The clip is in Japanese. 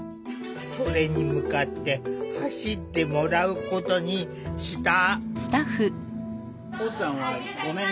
それに向かって走ってもらうことにした。